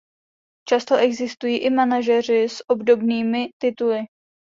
Často existují i manažeři s obdobnými tituly.